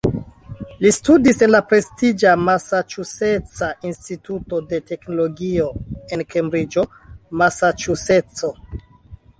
Li studis en la prestiĝa "Masaĉuseca Instituto de Teknologio" en Kembriĝo, Masaĉuseco.